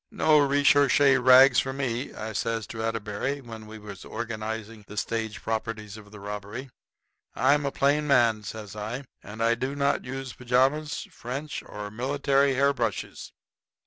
"No recherché rags for me," I says to Atterbury, when we was organizing the stage properties of the robbery. "I'm a plain man," says I, "and I do not use pajamas, French, or military hair brushes.